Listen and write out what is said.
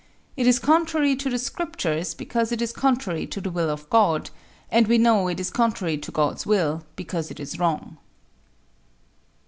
It is contrary to the Scriptures because it is contrary to the will of God, and we know it is contrary to God's will because it is wrong.